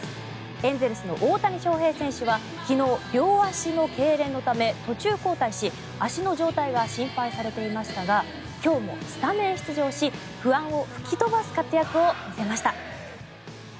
エンゼルスの大谷翔平選手は昨日、両足のけいれんのため途中交代し、足の状態が心配されていましたが今日もスタメン出場し不安を吹き飛ばす活躍を見せました。